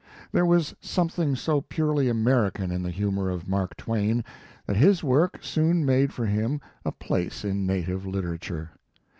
There was something so purely Amer ican in the humor of Mark Twain, that his work soon made for him a place in na tive literature.